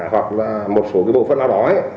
hoặc là một số cái bộ phận nào đó